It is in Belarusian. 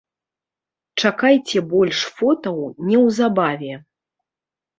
Чакайце больш фотаў неўзабаве.